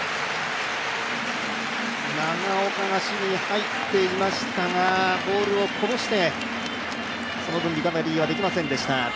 長岡が守備に入っていましたが、ボールをこぼして、その分リカバリーはできませんでした。